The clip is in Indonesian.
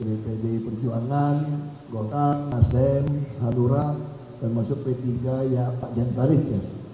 dpd perjuangan gota nasdem halurah dan masuk p tiga ya pak jantarik